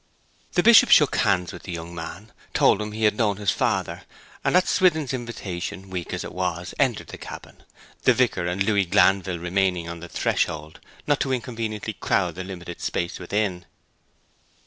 The Bishop shook hands with the young man, told him he had known his father, and at Swithin's invitation, weak as it was, entered the cabin, the vicar and Louis Glanville remaining on the threshold, not to inconveniently crowd the limited space within.